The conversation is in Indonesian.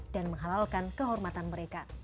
dan menghalalkan kehormatan mereka